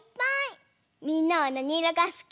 みんなはなにいろがすき？